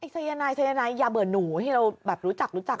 สัยนายสัยนายยาเบลอหนูที่เรารู้จัก